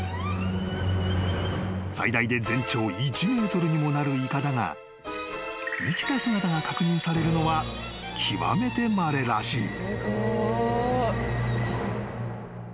［最大で全長１ｍにもなるイカだが生きた姿が確認されるのは極めてまれらしい］